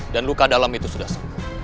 dan luka dalam itu sudah selesai